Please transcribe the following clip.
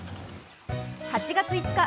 ８月５日